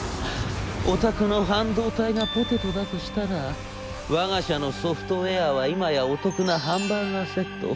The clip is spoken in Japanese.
お宅の半導体がポテトだとしたらわが社のソフトウェアは今やお得なハンバーガーセット。